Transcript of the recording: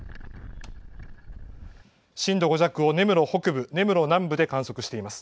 震度５弱を、根室北部、根室南部で観測しています。